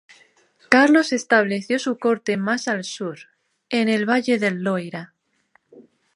Carlos estableció su corte más al sur, en el Valle del Loira.